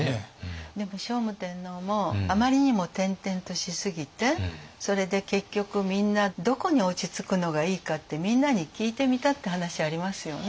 でも聖武天皇もあまりにも転々としすぎてそれで結局みんなどこに落ち着くのがいいかってみんなに聞いてみたって話ありますよね。